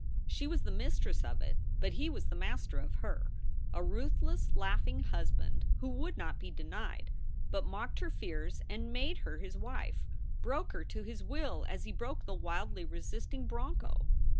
She was the mistress of it, but he was the master of her, a ruth less, laughing husband, who would not be denied, but mocked her fears and made her his wife, broke her to his will as he broke the wildly resisting broncho.